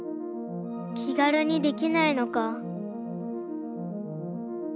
気軽にできないのか。